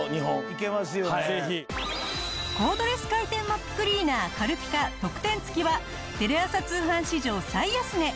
コードレス回転モップクリーナー軽ピカ特典つきはテレ朝通販史上最安値！